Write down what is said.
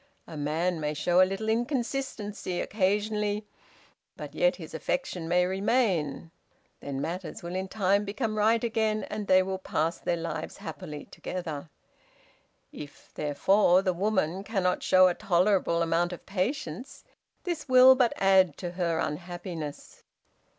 A man may show a little inconsistency occasionally, but yet his affection may remain; then matters will in time become right again, and they will pass their lives happily together. If, therefore, the woman cannot show a tolerable amount of patience, this will but add to her unhappiness.